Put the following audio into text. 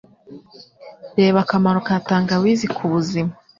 Reba akamaro ka tangawizi ku buzima